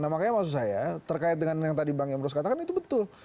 nah makanya maksud saya terkait dengan yang tadi bang emrus katakan itu betul